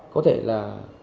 có thể là